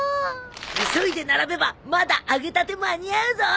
急いで並べばまだ揚げたて間に合うぞ！